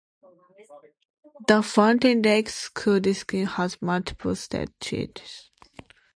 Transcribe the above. The Fountain Lake School District has multiple state titles.